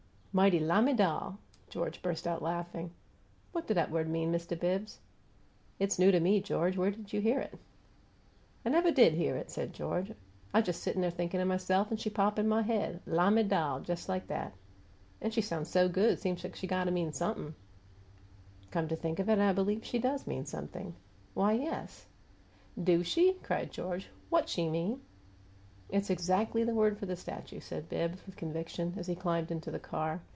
"Mighty lamiDAL!" George, burst out laughing. "What DO 'at word mean, Mist' Bibbs?" "It's new to me, George. Where did you hear it?" "I nev' DID hear it!" said George. "I uz dess sittin' thinkum to myse'f an' she pop in my head 'lamiDAL,' dess like 'at! An' she soun' so good, seem like she GOTTA mean somep'm!" "Come to think of it, I believe she does mean something. Why, yes " "Do she?" cried George. "WHAT she mean?" "It's exactly the word for the statue," said Bibbs, with conviction, as he climbed into the car.